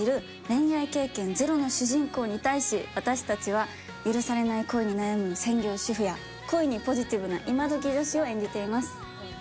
恋愛経験ゼロの主人公に対し私たちは許されない恋に悩む専業主婦や恋にポジティブな今どき女子を演じています。